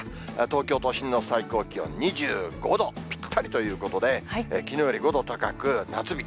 東京都心の最高気温２５度ぴったりということで、きのうより５度高く、夏日。